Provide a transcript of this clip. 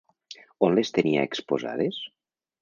On les tenia exposades?